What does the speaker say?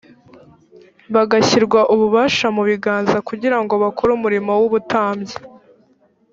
bagashyirwa ububasha mu biganza kugira ngo bakore umurimo w’ubutambyi